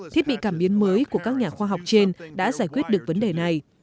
thiết bị cảm biến mới của các nhà khoa học trên đã giải quyết được vấn đề này